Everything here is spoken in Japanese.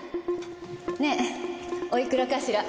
ねえおいくらかしら？